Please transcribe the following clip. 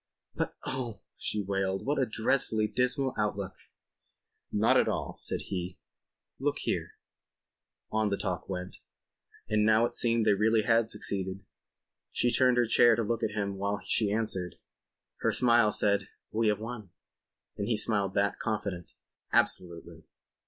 "But oh," she wailed. "What a dreadfully dismal outlook." "Not at all," said he. "Look here ..." On the talk went. And now it seemed they really had succeeded. She turned in her chair to look at him while she answered. Her smile said: "We have won." And he smiled back, confident: "Absolutely."